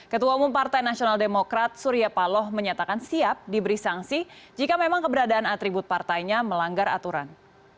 ketua umum partai nasional demokrat surya paloh menyatakan siap diberi sanksi jika memang keberadaan atribut partainya melanggar aturan